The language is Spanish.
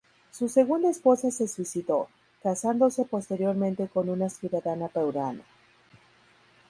Su segunda esposa se suicidó, casándose posteriormente con una ciudadana peruana.